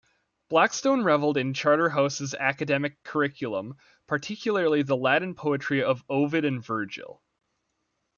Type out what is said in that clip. Blackstone revelled in Charterhouse's academic curriculum, particularly the Latin poetry of Ovid and Virgil.